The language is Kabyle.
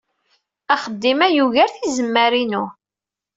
Axeddim-a yugar tizemmar-inu.